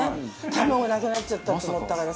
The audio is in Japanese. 卵なくなっちゃったと思ったらさ。